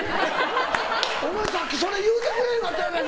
お前さっきそれ言うてくれへんかったやん！